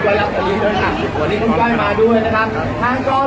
ขอบคุณมากนะคะแล้วก็แถวนี้ยังมีชาติของ